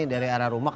nyariin duitnya mak